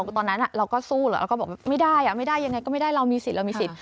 ตอนนั้นเราก็สู้เหรอเราก็บอกไม่ได้ไม่ได้ยังไงก็ไม่ได้เรามีสิทธิ์เรามีสิทธิ